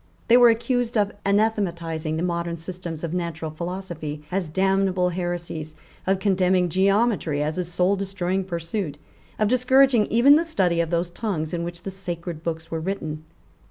They were accused of anathematizing the modern systems of natural philosophy as damnable heresies, of condemning geometry as a souldestroying pursuit, of discouraging even the study of those tongues in which the sacred books were written.